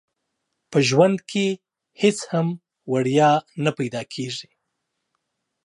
په ژوند کې هيڅ هم وړيا نه پيدا کيږي.